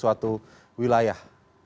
ya terima kasih